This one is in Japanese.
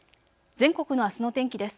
全国のあすの天気です。